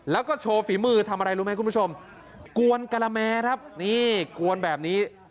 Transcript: แล้วก็โชว์ฝีมือทำอะไรรู้ไหมคุณผู้ชมกวนกะละแมครับนี่กวนแบบนี้